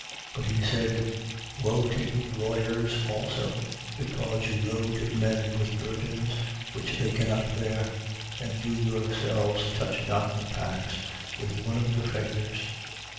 11:46. But he said: Woe to you lawyers also, because you load men with burdens which they cannot bear and you yourselves touch not the packs with one of your fingers.